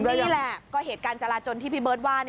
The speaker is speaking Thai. นี่แหละก็เหตุการณ์จราจนที่พี่เบิร์ตว่า